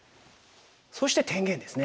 そして天元ですね。